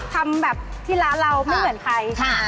ทำแบบที่ร้านเราไม่เหมือนใคร